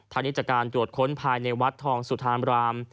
ทางนี้จากการตรวจค้นภายในวัดทองสุธามราม